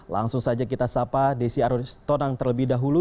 langsung saja kita sapa desi aritonang terlebih dahulu